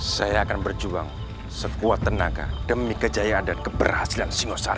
saya akan berjuang sekuat tenaga demi kejayaan dan keberhasilan singosari